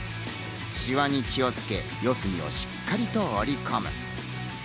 シワに気をつけ、四隅をしっかりと織り込む。